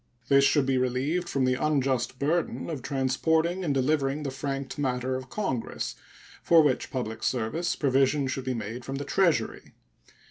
This should be relieved from the unjust burden of transporting and delivering the franked matter of Congress, for which public service provision should be made from the Treasury.